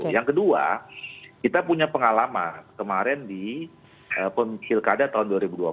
yang kedua kita punya pengalaman kemarin di pilkada tahun dua ribu dua puluh